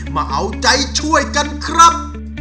มาเอาใจช่วยกันครับ